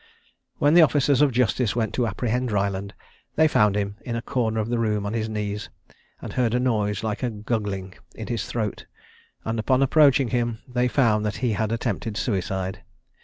When the officers of justice went to apprehend Ryland, they found him in a corner of the room on his knees, and heard a noise like a guggling in his throat, and upon approaching him they found that he had attempted suicide.